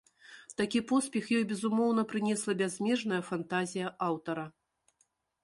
Такі поспех ёй, безумоўна, прынесла бязмежная фантазія аўтара.